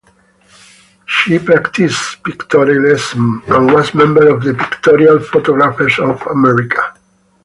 She practiced Pictorialism and was a member of the Pictorial Photographers of America.